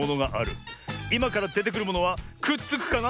いまからでてくるものはくっつくかな？